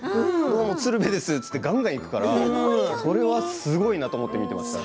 鶴瓶ですと言ってがんがんいくからそれはすごいなと思って見ていました。